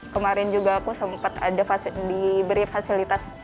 kemarin juga aku sempat diberi fasilitas